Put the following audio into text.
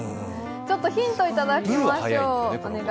ヒントをいただきましょう。